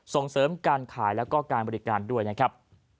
ส่งเสริมการขายแล้วก็การบริการด้วยนะครับ